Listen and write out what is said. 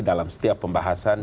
dalam setiap pembahasan